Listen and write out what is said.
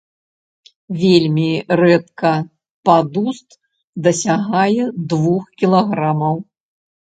Вельмі рэдка падуст дасягае двух кілаграмаў.